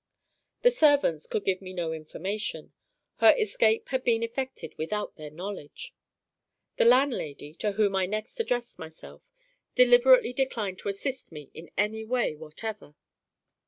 The servants could give me no information. Her escape had been effected without their knowledge. The landlady, to whom I next addressed myself, deliberately declined to assist me in any way whatever.